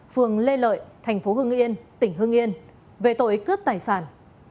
phường lê lợi thành phố hương yên tỉnh hương yên về tội cướp tài sản